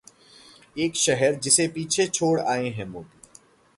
एक शहर, जिसे पीछे छोड़ आए हैं मोदी